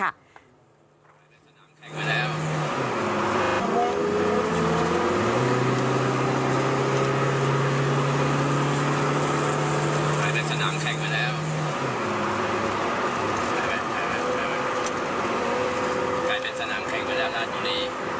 กลายเป็นสนามแข่งเวลาราชบุรี